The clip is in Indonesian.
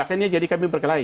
akhirnya jadi kami berkelahi